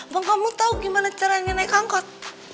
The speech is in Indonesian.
bang kamu tau gimana cara yang naik angkot